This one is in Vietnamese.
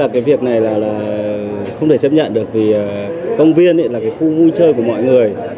không thể chấp nhận được vì công viên là khu vui chơi của mọi người